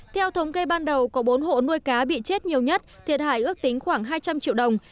theo thống kê ban đầu có bốn hộ nuôi cá bị chết nhiều nhất thiệt hại ước tính khoảng hai trăm linh triệu đồng